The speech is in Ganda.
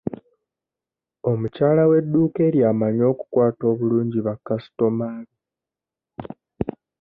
Omukyala w'edduuka eryo amanyi okukwata obulungi ba kasitooma be.